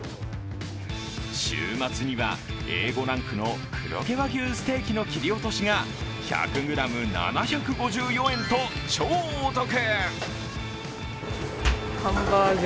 週末にはＡ５ランクの黒毛和牛ステーキの切り落としが１００ｇ７５４円と超お得。